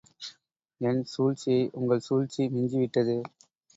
என் சூழ்ச்சியை உங்கள் சூழ்ச்சி மிஞ்சி விட்டதே!.